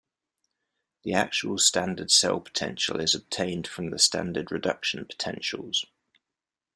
The actual standard cell potential is obtained from the standard reduction potentials.